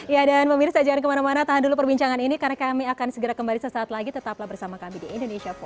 ya dan pemirsa jangan kemana mana tahan dulu perbincangan ini karena kami akan segera kembali sesaat lagi tetaplah bersama kami di indonesia forward